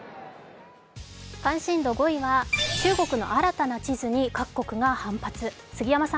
関心度５位は中国の新たな地図に各国が反発。